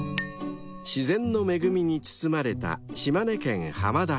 ［自然の恵みに包まれた］